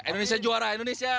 indonesia juara indonesia